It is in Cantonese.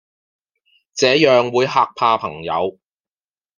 這樣會嚇怕朋友